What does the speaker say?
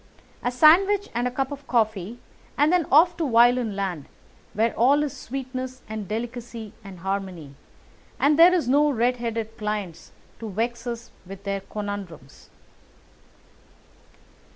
A sandwich and a cup of coffee, and then off to violin land, where all is sweetness and delicacy and harmony, and there are no red headed clients to vex us with their conundrums."